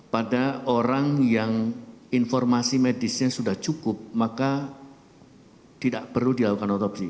pada orang yang informasi medisnya sudah cukup maka tidak perlu dilakukan otopsi